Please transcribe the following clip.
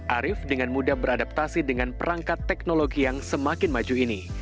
arief dengan mudah beradaptasi dengan perangkat teknologi yang semakin maju ini